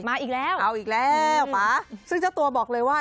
มาอีกแล้วป่าซึ่งเจ้าตัวบอกเลยว่า